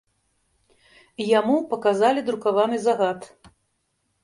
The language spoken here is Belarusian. Яму паказалі друкаваны загад.